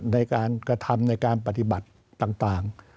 ในการกระทำในการปฏิบัติต่าง